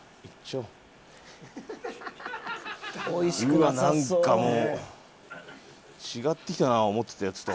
うわっなんかもう違ってきたな思ってたやつと。